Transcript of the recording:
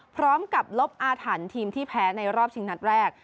พร้อมกับลบอาถรรพ์ทีมที่แพ้ในรอบชิงนัดแรก